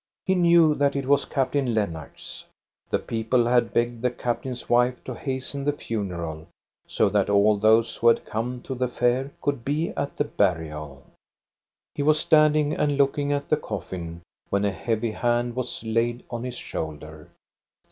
He knew that it was Captain Lennart's. The people had begged the captain's wife to hasten the funeral, so that all those who had come to the Fair could be at the burial. 446 THE STORY OF GOSTA BE RUNG He was standing and looking at the coffin, when a heavy hand was laid on his shoulder.